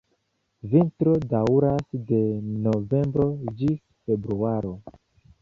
Vintro daŭras de novembro ĝis februaro.